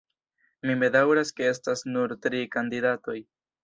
Mi bedaŭras ke estas nur tri kandidatoj.